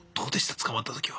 捕まった時は。